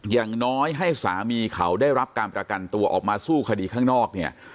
อย่างน้อยให้สามีเขาได้รับการประกันตัวออกมาสู้คดีข้างนอกเนี่ย